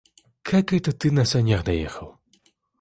Как это ты на санях доехал?